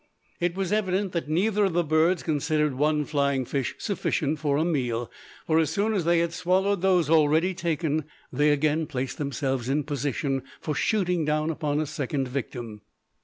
It was evident that neither of the birds considered one flying fish sufficient for a meal; for as soon as they had swallowed those already taken, they again placed themselves in position for shooting down upon a second victim.